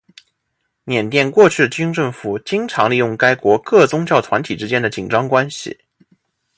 缅甸过去的军政府经常利用该国各宗教团体之间的紧张关系。